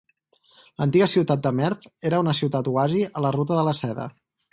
L'antiga ciutat de Merv era una ciutat-oasi a la Ruta de la Seda.